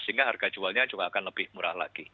sehingga harga jualnya juga akan lebih murah lagi